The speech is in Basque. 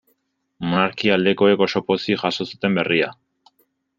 Monarkia aldekoek oso pozik jaso zuten berria.